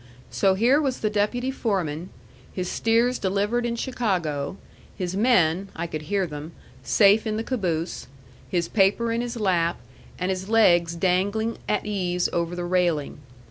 So here was the deputy foreman, his steers delivered in Chicago, his men (I could hear them) safe in the caboose, his paper in his lap, and his legs dangling at ease over the railing.